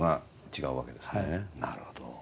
なるほど。